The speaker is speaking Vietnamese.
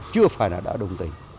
chưa phải là đã đồng tình